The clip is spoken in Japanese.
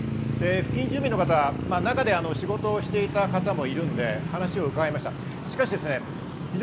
付近住民の方、中で仕事をしていた方もいるので話を伺いました。